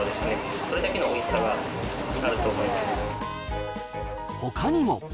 それだけのおいしさがあると思いほかにも。